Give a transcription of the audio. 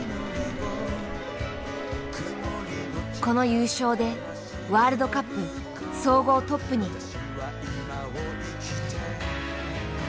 この優勝でワールドカップ総合トップに。